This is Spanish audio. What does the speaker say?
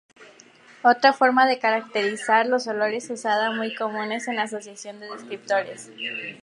Otra forma de caracterizar los olores usada muy comúnmente es la asociación de descriptores.